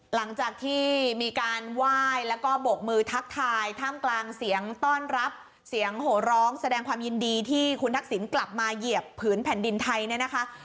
หลังจากที่มีการไหว้แล้วก็โบกมือทักทายท่ามกลางเสียงต้อนรับเสียงโหร้องแสดงความยินดีที่คุณทักษิณกลับมาเหยียบผืนแผ่นดินไทยเนี่ยนะคะ